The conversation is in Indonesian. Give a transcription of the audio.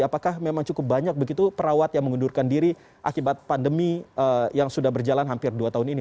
apakah memang cukup banyak begitu perawat yang mengundurkan diri akibat pandemi yang sudah berjalan hampir dua tahun ini